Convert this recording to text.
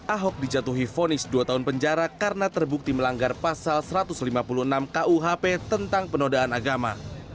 ahok dijatuhi vonis dua tahun penjara karena terbukti melanggar pasal satu ratus lima puluh enam kuhp tentang penodaan agama